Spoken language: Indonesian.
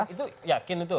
itu yakin itu